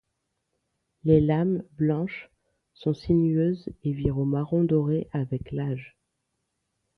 Les lames, blanches, sont sinueuses et virent au marron doré avec l'âge.